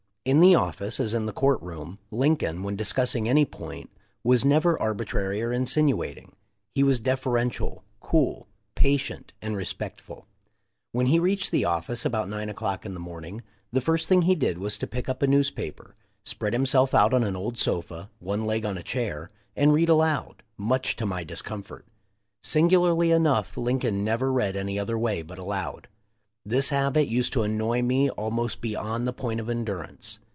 In the office, as in the court room, Lincoln, when discussing any point, was never arbitrary or insinuating. He was deferential, cool, patient, and respectful. When he reached the of fice, about nine o'clock in the morning, the first thing he did was to pick up a newspaper, spread himself out on an old sofa, one leg on a chair, and read aloud, much to my discomfort. Singularly enough Lincoln never read any other way but aloud. This habit used to annoy me almost beyond the point of endurance.